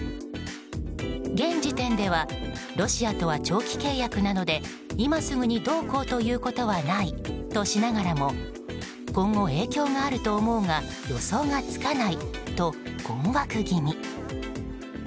現時点ではロシアとは長期契約なので今すぐにどうこうということはないとしながらも今後、影響があると思うが予想がつかないと困惑気味。